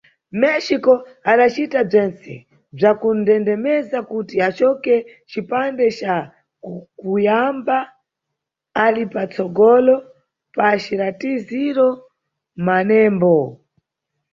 México adacita bzwentse bzwa kundendemeza kuti acoke cipande ca kuyamba ali pa tsogolo pa ciratiziro manembo.